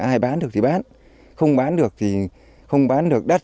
ai bán được thì bán không bán được thì không bán được đắt